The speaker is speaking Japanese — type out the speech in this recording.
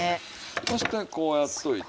そしてこうやっておいて。